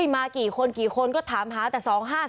มากี่คนกี่คนก็ถามหาแต่๒๕๔